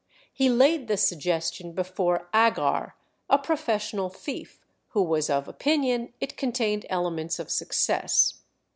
He laid the suggestion before Agar, a professional thief, who was of opinion it contained elements of success.